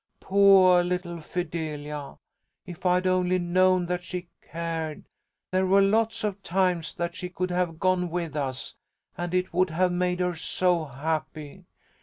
Poah little Fidelia! If I'd only known that she cared, there were lots of times that she could have gone with us, and it would have made her so happy.